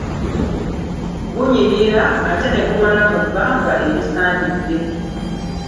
Gunyirira, ate ne gumala mu bbanga erisaanidde.